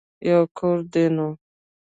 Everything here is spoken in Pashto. يو کور دی نو.